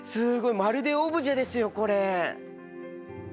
まるでオブジェですよこれ！